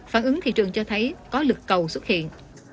phản ứng thị trường cho thấy có lực cầu xuất hiện